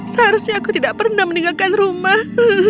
seharusnya aku tidak pernah meninggalkan rumah